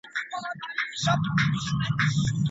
خاوند د طلاق په ذريعه له ميرمني څخه بيليدلای سي.